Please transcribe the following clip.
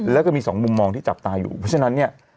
แล้วก็มีสองมุมมองที่จับตาอยู่เพราะฉะนั้นเนี่ย